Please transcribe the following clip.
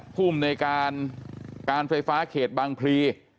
ภูมิในการการไฟฟ้าเขตบางพลี